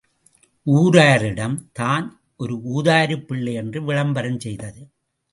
ஊராரிடம் தான் ஒரு ஊதாரிப் பிள்ளை என்று விளம்பரம் செய்தது.